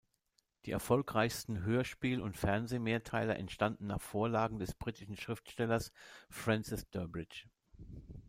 Die erfolgreichsten Hörspiel- und Fernseh-Mehrteiler entstanden nach Vorlagen des britischen Schriftstellers Francis Durbridge.